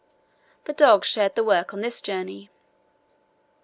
The dogs shared the work on this journey.